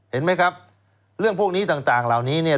เห็นไหมครับเรื่องพวกนี้ต่างเหล่านี้เนี่ย